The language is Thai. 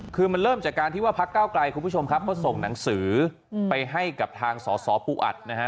คือมันเริ่มจากการที่ว่าพักเก้าไกลคุณผู้ชมครับเขาส่งหนังสือไปให้กับทางสสปูอัดนะฮะ